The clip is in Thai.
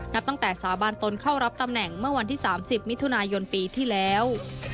นับตั้งแต่สาบานตนเข้ารับตำแหน่งเมื่อวันที่๓๐มิถุนายนปีที่แล้ว